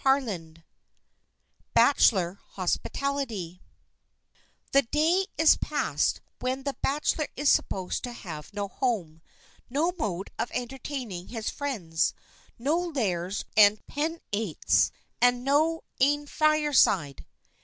CHAPTER XVII BACHELOR HOSPITALITY THE day is past when the bachelor is supposed to have no home, no mode of entertaining his friends, no lares and penates, and no "ain fireside."